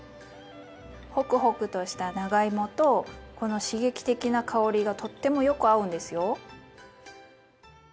ホクホクとした長芋とこの刺激的な香りがとってもよく合うんですよ。